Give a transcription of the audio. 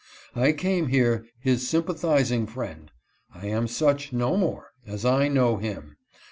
I came here his sympathizing friend; I am such , "no more, as I know him.